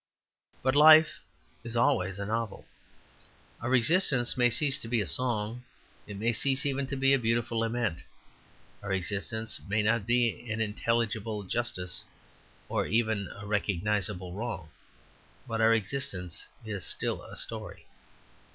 But life is always a novel. Our existence may cease to be a song; it may cease even to be a beautiful lament. Our existence may not be an intelligible justice, or even a recognizable wrong. But our existence is still a story.